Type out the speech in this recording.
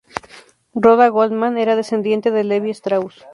Rhoda Goldman era descendiente de Levi Strauss.